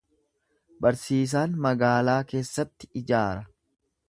Barsiisaan magaalaa keessatti ijaara.